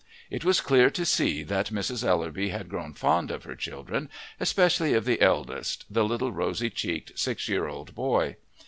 It was clear to see that Mrs. Ellerby had grown fond of her children, especially of the eldest, the little rosy cheeked six year old boy.